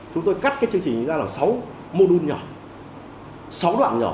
chúng tôi cắt cái chương trình ra là sáu mô đun nhỏ sáu đoạn nhỏ